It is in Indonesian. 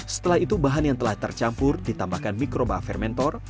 setelah itu bahan yang telah tercampur ditambahkan mikroba fermento